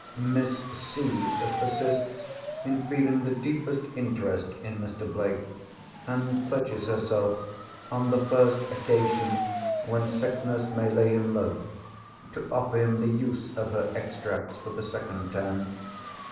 Miss C. persists in feeling the deepest interest in Mr. Blake, and pledges herself, on the first occasion when sickness may lay him low, to offer him the use of her Extracts for the second time.